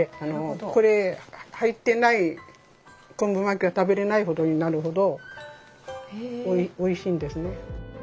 これ入ってない昆布巻きは食べれないほどになるほどおいしいんですね。